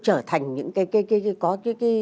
trở thành những cái có cái